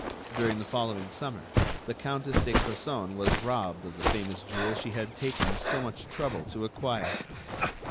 During the following summer, the Countess de Crozon was robbed of the famous jewel she had taken so much trouble to acquire.